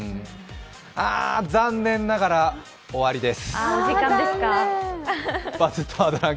あー、残念ながら終わりです。